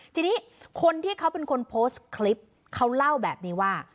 ทีนี้คนที่เขาเป็นคนโพสต์คลิปเขาเล่าแบบนี้ว่า